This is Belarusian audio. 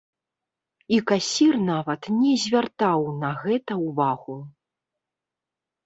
І касір нават не звяртаў на гэта ўвагу.